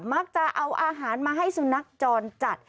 มักจะเอาอาหารมาให้สุนัขจรจัด